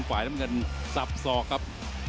ฝ่ายน้ำเงินทรัพย์ซอบซอกครับ